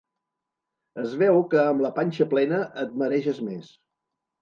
Es veu que amb la panxa plena et mareges més.